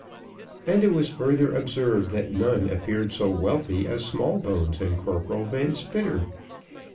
And it was further observed, that none appeared so wealthy as Smallbones and Corporal Van Spitter.